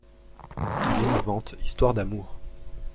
Une émouvante histoire d'amour.